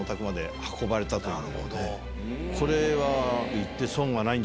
これは。